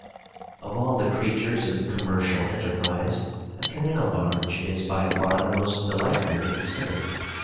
Of all the creatures of commercial enterprise, a canal barge is by far the most delightful to consider.